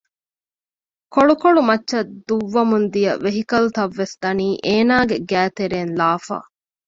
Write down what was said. ކޮޅުކޮޅު މައްޗަށް ދުއްވަމުންދިޔަ ވެހިކަލްތައްވެސް ދަނީ އޭނާގެ ގައިތެރެއިން ލާފަ